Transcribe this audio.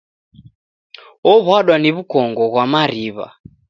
Ow'adwa ni w'ukongo ghwa mariw'a